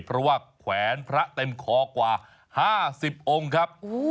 เพราะว่าแขวนพระเต็มคอกว่า๕๐องค์ครับ